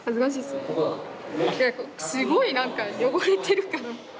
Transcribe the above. すごいなんか汚れてるから。